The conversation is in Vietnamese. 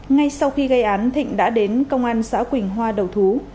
ngay sau khi gây án thịnh đã đến công an xã quỳnh hoa đầu thú